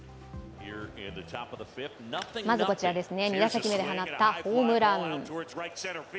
まずこちら、２打席目で放ったホームラン。